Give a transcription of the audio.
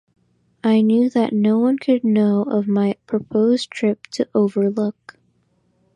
I knew that no one could know of my proposed trip to Overlook.